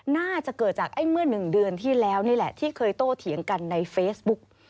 น่าจะเกิดจากเมื่อ๑เดือนที่แล้วนี่แหละที่เคยโตเถียงกันในเฟซบุ๊ก